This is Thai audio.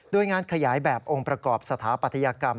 โดยงานขยายแบบองค์ประกอบสถาปัตยกรรม